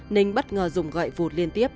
nình bất ngờ dùng gậy vụt liên tiếp